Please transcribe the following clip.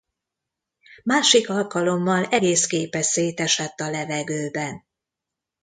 Másik alkalommal egész gépe szétesett a levegőben.